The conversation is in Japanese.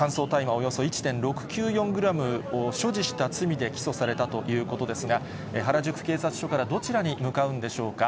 およそ１．６９４グラムを所持した罪で起訴されたということですが、原宿警察署からどちらに向かうんでしょうか。